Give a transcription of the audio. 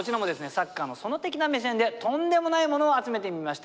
「サッカーの園」的な目線でとんでもないものを集めてみました。